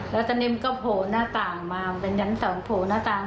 แล้วตอนนี้มันก็โผล่หน้าต่างมาเป็นชั้นสองโผล่หน้าต่าง